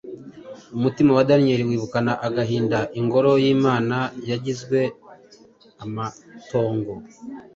Umutima wa Daniyeli wibukana agahinda ingoro y’Imana yagizwe amatongo.